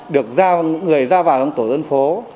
được người ra vào trong tổ dân phố